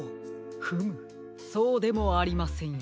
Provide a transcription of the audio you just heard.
フムそうでもありませんよ。